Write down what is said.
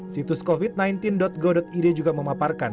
situs covid sembilan belas go id juga memaparkan